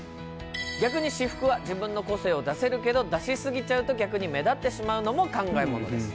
逆に私服は自分の個性を出せるけど出し過ぎちゃうと逆に目立ってしまうのも考えものです。